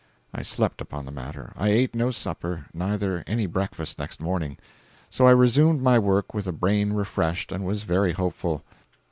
I slept upon the matter; I ate no supper, neither any breakfast next morning. So I resumed my work with a brain refreshed, and was very hopeful.